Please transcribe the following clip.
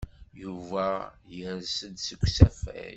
Yuba yers-d seg usafag.